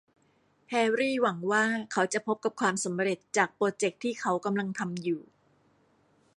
แฮรรี่หวังว่าเขาจะพบกับความสำเร็จจากโปรเจคที่เขากำลังทำอยู่